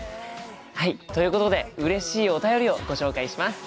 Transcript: はいということでうれしいお便りをご紹介します。